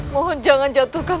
mohon jangan jatuhkan